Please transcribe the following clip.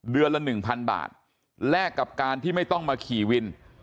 ละ๑๐๐บาทแลกกับการที่ไม่ต้องมาขี่วิน